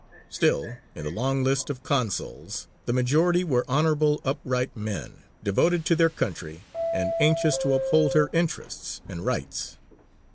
Still, in the long list of consuls, the majority were honourable, upright men, devoted to their country, and anxious to uphold her interests and rights.